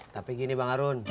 tapi gini bang arun